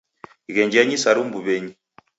Ghenjenyi saru mbuw'enyi